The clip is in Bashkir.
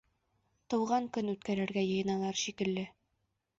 Тыуған көн үткәрергә йыйыналар шикелле.